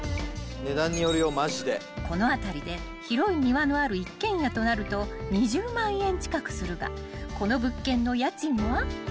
［この辺りで広い庭のある一軒家となると２０万円近くするがこの物件の家賃は］